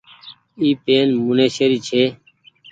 اي پين منيشي ري ڇي۔